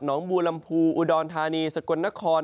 หนองบูรรมภูอุดรธานีสกวรนคร